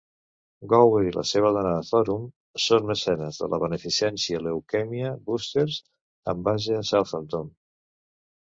Gower i la seva dona, Thorunn, són mecenes de la beneficència Leukemia Busters, amb base a Southampton.